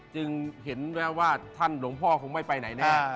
จึงเห็นแววว่าท่านหลวงพ่อคงไม่ไปไหนแน่